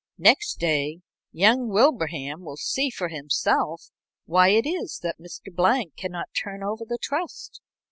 Next day young Wilbraham will see for himself why it is that Mr. Blank cannot turn over the trust.